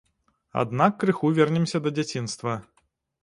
Аднак крыху вернемся да дзяцінства.